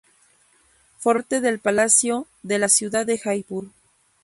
Formaba parte del Palacio de la ciudad de Jaipur.